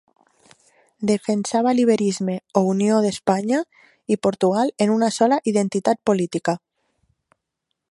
Defensava l'Iberisme o unió d'Espanya i Portugal en una sola identitat política.